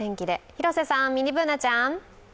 広瀬さん、ミニＢｏｏｎａちゃん。